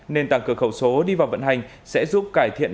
nền tảng cửa khẩu số đi vào vận hành sẽ giúp cải thiện